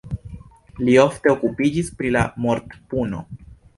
Li ofte okupiĝis pri la mortpuno.